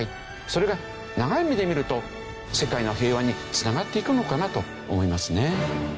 それが長い目で見ると世界の平和に繋がっていくのかなと思いますね。